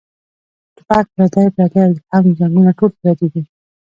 ټوپک پردے پردے او هم جنګــــونه ټول پردي دي